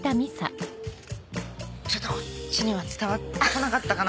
ちょっとこっちには伝わってこなかったかな。